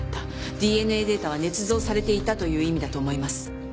ＤＮＡデータは捏造されていたという意味だと思います。